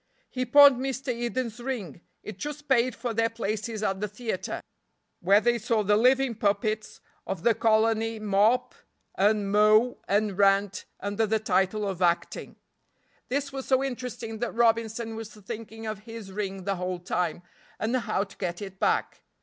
He pawned Mr. Eden's ring; it just paid for their places at the theater, where they saw the living puppets of the colony mop and mow and rant under the title of acting. This was so interesting that Robinson was thinking of his ring the whole time, and how to get it back.